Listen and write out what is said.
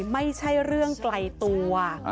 ไม่ใช่เรื่องไกลตัว